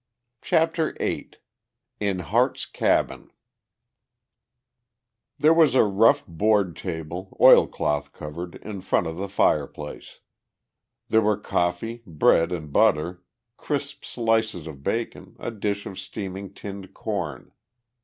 CHAPTER VIII IN HARTE'S CABIN There was a rough board table, oilcloth covered, in front of the fireplace. There were coffee, bread and butter, crisp slices of bacon, a dish of steaming tinned corn.